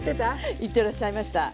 言ってらっしゃいました。